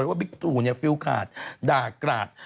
ว่าบิ๊กตู้เนี่ยฟิลด์ขาดด่ากราด